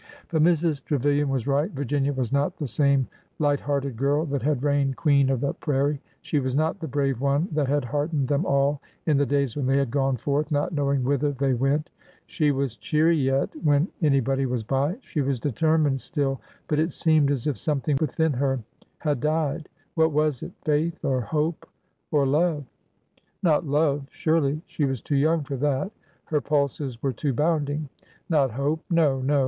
But Mrs. Trevilian was right. Virginia was not the same light hearted girl that had reigned queen of the prairie "; she was not the brave one that had heartened them all in the days when they had gone forth, not know ing whither they went. She was cheery yet, when any body was by; she was determined still, but it seemed as if something within her had died. What was it? Faith? or hope? or love? Not love, surely. She was too young for that— her pulses were too bounding. Not hope? No, no.